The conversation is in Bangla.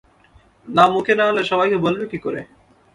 নাম মুখে না আনলে সবাইকে বলবি কী করে?